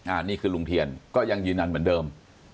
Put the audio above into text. อันนี้คือลุงเทียนก็ยังยืนยันเหมือนเดิม